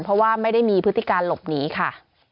เพราะว่าไม่ได้มีพฤติการหลบหนีค่ะ